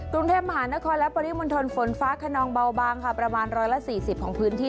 กรุงเทพมหานครและปริมณฑลฝนฟ้าขนองเบาบางค่ะประมาณ๑๔๐ของพื้นที่